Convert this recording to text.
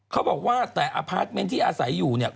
เขาบอกว่าแต่อพาร์ทเมนต์ที่อาศัยอยู่เนี่ย